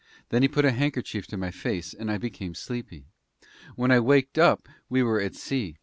Then he put a handkerchief to my face, and I became sleepy. When I waked up, we were at sea.